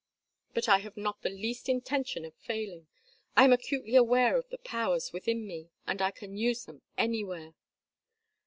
But I have not the least intention of failing. I am acutely aware of the powers within me, and I can use them anywhere."